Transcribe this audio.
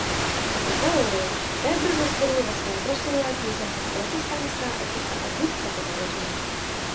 Tuto teorii Weber rozvinul ve své proslulé knize "Protestantská etika a duch kapitalismu".